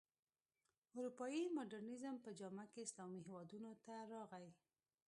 اروپايي مډرنیزم په جامه کې اسلامي هېوادونو ته راغی.